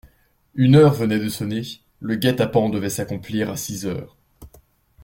Une heure venait de sonner, le guet-apens devait s'accomplir à six heures.